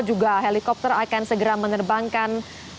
juga helikopter akan segera menerbangkan